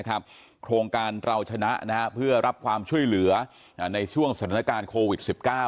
โครงการเราชนะเพื่อรับความช่วยเหลือในช่วงสถานการณ์โควิด๑๙